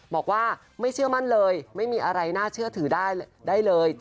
บอกว่าไม่เชื่อมั่นเลยไม่มีอะไรน่าเชื่อถือได้เลย